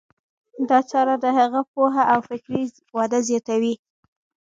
دا چاره د هغه پوهه او فکري وده زیاتوي.